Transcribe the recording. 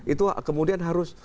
itu kemudian harus